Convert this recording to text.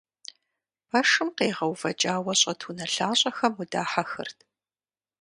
Пэшым къегъэувэкӀауэ щӀэт унэлъащӀэхэм удахьэхырт.